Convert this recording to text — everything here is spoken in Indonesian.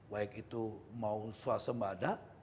baik itu mau swasembada